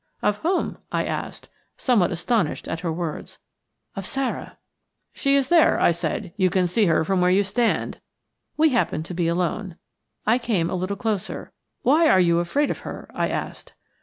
"Of whom?" I asked, somewhat astonished at her words. "Of Sara." "She is there," I said. "You can see her from where you stand." We happened to be alone. I came a little closer. "Why are you afraid of her?" I asked.